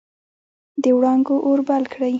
د وړانګو اور بل کړي